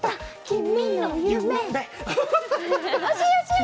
君の夢。